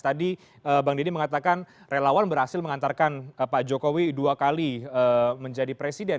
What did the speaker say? tadi bang deddy mengatakan relawan berhasil mengantarkan pak jokowi dua kali menjadi presiden